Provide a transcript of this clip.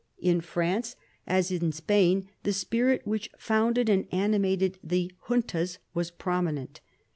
In France, as in Spain, the spirit which founded and animated the Juntas was prominent.